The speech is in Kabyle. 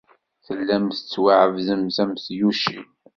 Tellamt tettwaɛebdemt am tyucin.